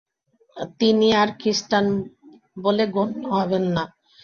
তিনি আর খ্রিস্টান বলে গণ্য হবেন না।